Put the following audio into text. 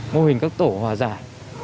mô hình các tổ hòa giải